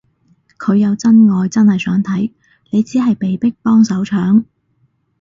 佢有真愛真係想睇，你只係被逼幫手搶